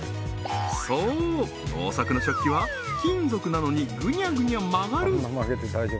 そう能作の食器は金属なのにぐにゃぐにゃ曲がる！